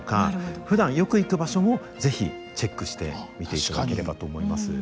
ふだんよく行く場所も是非チェックして見ていただければと思います。